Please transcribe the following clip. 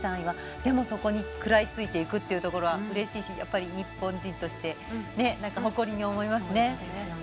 でも、そこに食らいついていくのはうれしいし日本人として誇りに思いますね。